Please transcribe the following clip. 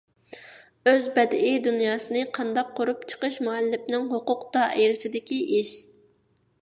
ئۆز بەدىئىي دۇنياسىنى قانداق قۇرۇپ چىقىش مۇئەللىپنىڭ ھوقۇق دائىرىسىدىكى ئىش.